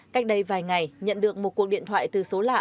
cách đây vài ngày nhận được một cuộc điện thoại từ số lạ